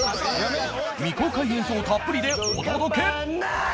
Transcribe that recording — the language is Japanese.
未公開映像たっぷりでお届け！